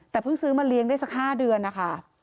แต่เพิ่งซื้อมาเลี้ยงได้สัก๕เดือนนะคะ